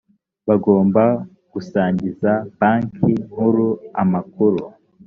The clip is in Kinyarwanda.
bagomba gusangiza banki nkuru amakuru